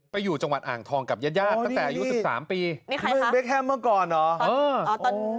ไปอยู่จังหวัดอ่างทองกับญาติยาติตั้งแต่อายุสิบสามปีนี่ใครคะเบ็กแฮมเมื่อก่อนเหรอ